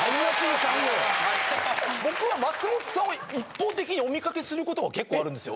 僕は松本さんを一方的にお見かけすることは結構あるんですよ。